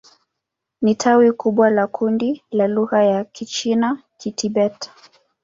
Ni tawi kubwa la kundi la lugha za Kichina-Kitibet.